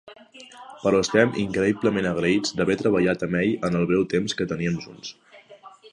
Però estem increïblement agraïts d'haver treballat amb ell en el breu temps que teníem junts.